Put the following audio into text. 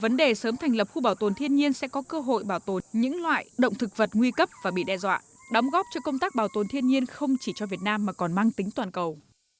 vấn đề sớm thành lập khu bảo tồn thiên nhiên sẽ có cơ hội bảo tồn những loại động thực vật nguy cấp và bị đe dọa đóng góp cho công tác bảo tồn thiên nhiên không chỉ cho việt nam mà còn mang tính toàn cầu